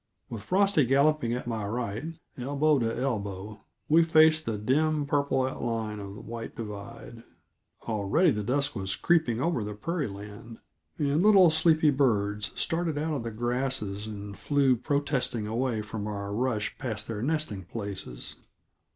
With Frosty galloping at my right, elbow to elbow, we faced the dim, purple outline of White Divide. Already the dusk was creeping over the prairie land, and little sleepy birds started out of the grasses and flew protesting away from our rush past their nesting places.